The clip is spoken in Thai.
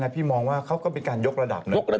พี่มองว่าเขาก็เป็นการยกระดับนะ